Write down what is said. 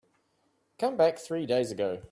Came back three days ago.